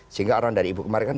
sehingga orang dari ibu kemarikan